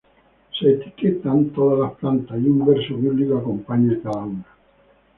Se etiquetan todas las plantas, y un verso bíblico acompaña cada planta.